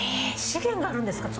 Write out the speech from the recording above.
資源があるんですか？